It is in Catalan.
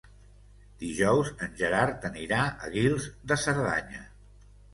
Dijous en Gerard anirà a Guils de Cerdanya.